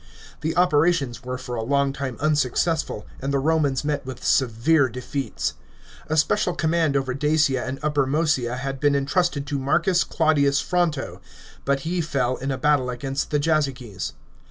The operations were for a long time unsuccess ful, and the Romans met with severe defeats. A special command over Dacia and Upper Mcesia had been intrusted to Marcus Claudius Fronto, but he fell in a battle against the Jazyges.